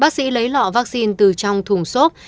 bác sĩ lấy lọ vaccine từ trong thùng sốt